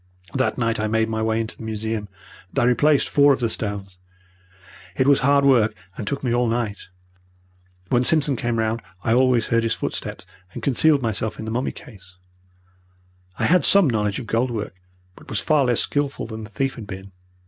"That night I made my way into the museum, and I replaced four of the stones. It was hard work, and took me all night. When Simpson came round I always heard his footsteps, and concealed myself in the mummy case. I had some knowledge of gold work, but was far less skilful than the thief had been.